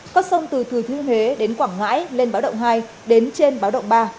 có sông từ thừ thư huế đến quảng ngãi lên báo động hai đến trên báo động ba